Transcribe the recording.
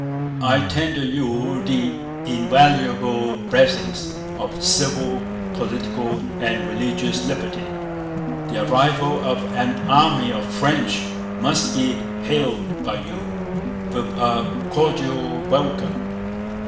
I tender you the invaluable blessings of Civil, Political, and Religious Liberty... The arrival of an army of Friends must be hailed by you with a cordial welcome.